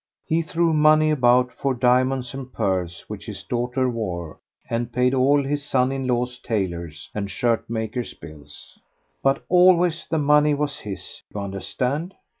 He threw money about for diamonds and pearls which his daughter wore, and paid all his son in law's tailors' and shirt makers' bills. But always the money was his, you understand?